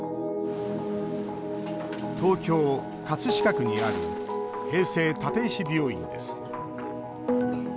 東京・葛飾区にある平成立石病院です。